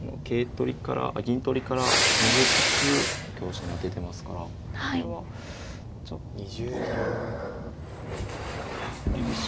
銀取りから逃げつつ香車に当ててますからこれはちょっと振り飛車